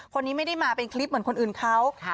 คนนี้ไม่ได้มาเป็นคลิปเหมือนคนอื่นเขา